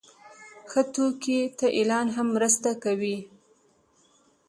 ښه توکي ته اعلان هم مرسته کوي.